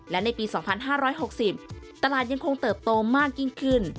และในปี๒๕๖๐ตลาดยังคงเติบโตมากยิ่งขึ้น